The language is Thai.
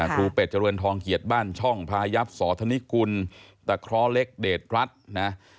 ครูเป็ดจรวนทองเกียรติบัญช่องพระยัพย์สวทานิกุลตะคร้าวเล็กเดร็ดรัชนะ